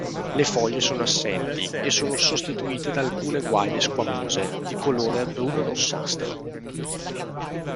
Le foglie sono assenti e sono sostituite da alcune guaine squamose di colore bruno-rossastro.